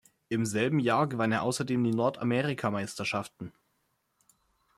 Im selben Jahr gewann er außerdem die Nordamerikameisterschaften.